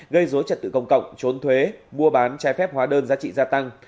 gây dối trật tự công cộng trốn thuế mua bán trái phép hóa đơn giá trị gia tăng